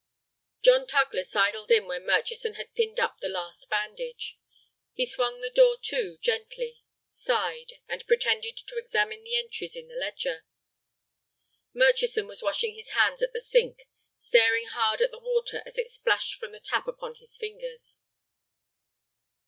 John Tugler sidled in when Murchison had pinned up the last bandage. He swung the door to gently, sighed, and pretended to examine the entries in the ledger. Murchison was washing his hands at the sink, staring hard at the water as it splashed from the tap upon his fingers.